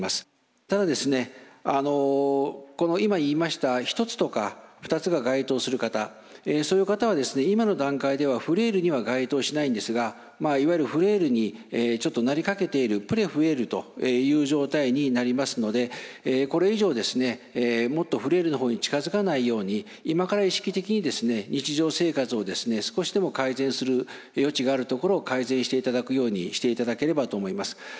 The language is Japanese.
ただ今言いました１つとか２つが該当する方そういう方は今の段階ではフレイルには該当しないんですがいわゆるフレイルにちょっとなりかけているプレフレイルという状態になりますのでこれ以上もっとフレイルのほうに近づかないように今から意識的に日常生活を少しでも改善する余地があるところを改善していただくようにしていただければと思います。